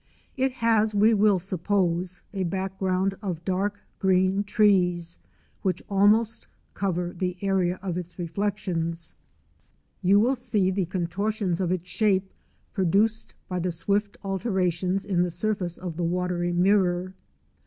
It has, we will suppose, a background of dark green trees, which almost cover the area of its reflections. You will see the contortions of its shape produced by the swift altera 77 78 LANDSCAPE PAINTING IN OIL COLOUR. tions in the surface of the watery mirror.